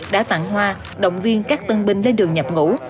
đã tặng hoa động viên các tân binh lên đường nhập ngũ